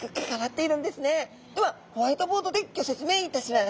ではホワイトボードでギョ説明いたします。